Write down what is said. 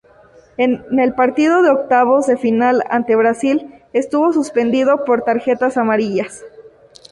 En el partido de octavos de final ante Brasil estuvo suspendido por tarjetas amarillas.